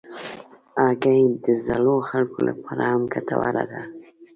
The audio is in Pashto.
هګۍ د زړو خلکو لپاره هم ګټوره ده.